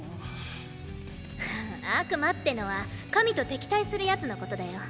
悪魔ってのは神と敵対する奴のことだよ。